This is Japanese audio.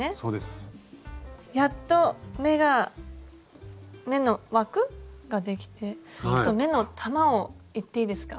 やっと目が目の枠？ができてちょっと目の玉をいっていいですか？